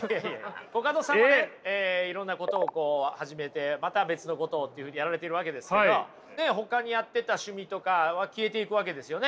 コカドさんはねいろんなことをこう始めてまた別のことっていうふうにやられてるわけですけどねえほかにやってた趣味とかは消えていくわけですよね？